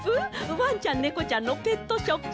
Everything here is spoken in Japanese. ワンちゃんネコちゃんのペットショップ？